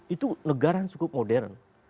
itu negara yang cukup modern